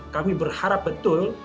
kami berharap betul